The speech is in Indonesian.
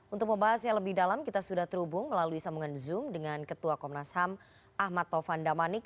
untuk membahasnya lebih dalam kita sudah terhubung melalui sambungan zoom dengan ketua komnas ham ahmad tovan damanik